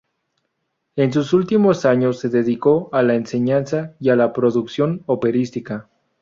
En sus últimos años se dedicó a la enseñanza y a la producción operística.